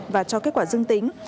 và cho kết quả dương tính